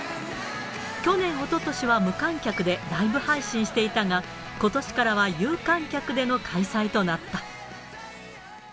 去年、おととしは、無観客でライブ配信していたが、ことしからは有観客での開催となった。